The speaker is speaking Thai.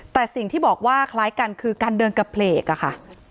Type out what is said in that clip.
แต่สิ่งที่บอกว่าคล้ายกันคือการเดินกระเพลกอะค่ะ